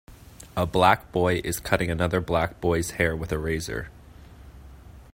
A black boy is cutting another black boy 's hair with a razor.